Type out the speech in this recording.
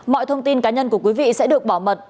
mọi thông tin cá nhân của quý vị sẽ được bảo mật